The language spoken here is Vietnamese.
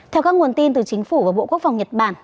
theo các nguồn tin từ chính phủ và bộ quốc phòng nhật bản